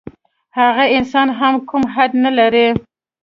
هغه انسان هم کوم حد نه لري.